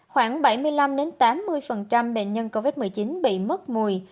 khoảng bảy mươi năm tám mươi bệnh nhân covid một mươi chín bị mất mùi